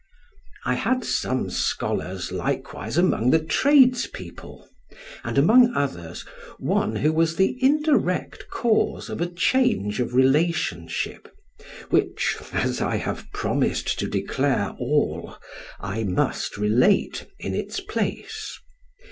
I had some scholars likewise among the tradespeople, and, among others, one who was the indirect cause of a change of relationship, which (as I have promised to declare all) I must relate in its place.